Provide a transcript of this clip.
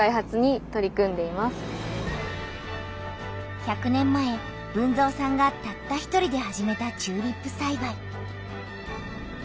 １００年前豊造さんがたった１人で始めたチューリップさいばい。